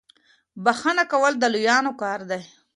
بخښنه کول د لويانو کار دی.